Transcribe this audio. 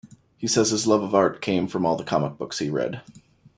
He says his love of art came from all the comic books he read.